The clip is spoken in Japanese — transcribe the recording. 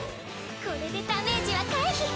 これでダメージは回避！